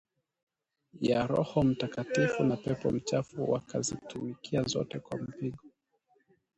ya roho mtakatifu na pepo mchafu wakazitumikia zote kwa mpigo